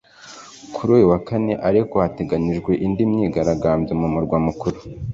kuri uyu wa kane ariko hateganyijwe indi myigaragambyo mu murwa mukuru